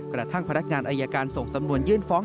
กระทั่งพนักงานอายการส่งสำนวนยื่นฟ้อง